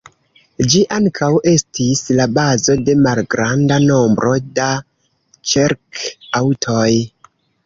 Ĝi ankaŭ estis la bazo de malgranda nombro da ĉerk-aŭtoj.